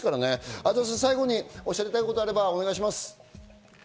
相澤さん、最後におっしゃりたいことがあればお願いします。